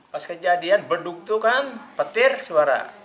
pas kejadian beduk itu kan petir suara